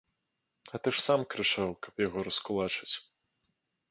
А ты ж сам крычаў, каб яго раскулачыць.